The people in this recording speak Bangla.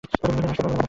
তুমি ভেতরে আসতে পারো।